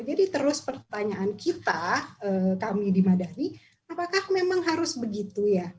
jadi terus pertanyaan kita kami di madani apakah memang harus begitu ya